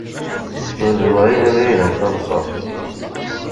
Ur d wa i d abrid n taḍsa.